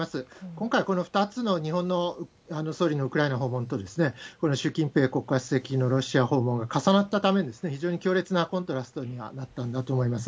今回、この２つの日本の総理のウクライナ訪問と、この習近平国家主席のロシア訪問が重なったために、非常に強烈なコントラストにはなったんだと思います。